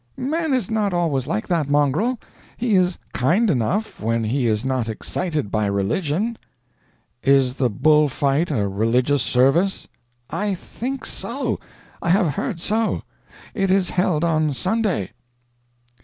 "Man is not always like that, Mongrel; he is kind enough when he is not excited by religion." "Is the bull fight a religious service?" "I think so. I have heard so. It is held on Sunday."